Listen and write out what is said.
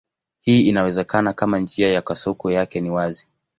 Hii inawezekana kama njia ya kasoko yake ni wazi.